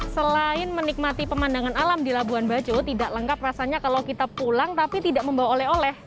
selain menikmati pemandangan alam di labuan bajo tidak lengkap rasanya kalau kita pulang tapi tidak membawa oleh oleh